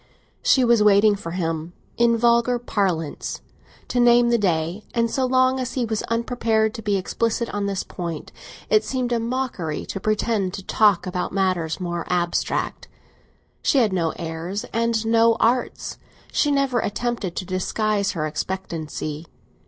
She was waiting for him, in vulgar parlance, to name the day; and so long as he was unprepared to be explicit on this point it seemed a mockery to pretend to talk about matters more abstract. She had no airs and no arts; she never attempted to disguise her expectancy.